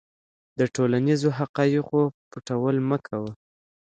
د ټولنیزو حقایقو پټول مه کوه.